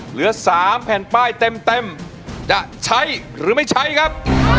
เหลือ๓แผ่นป้ายเต็มจะใช้หรือไม่ใช้ครับ